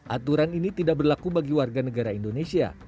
aturan ini tidak berlaku bagi warga negara indonesia